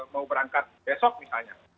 mau berangkat besok misalnya